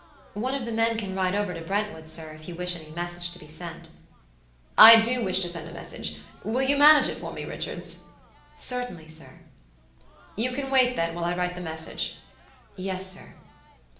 "One of the men can ride over to Brentwood, sir, if you wish any message to be sent." "I do wish to send a message; will you manage it for me, Richards?" "Certainly, sir." "You can wait, then, while I write the message." "Yes, sir."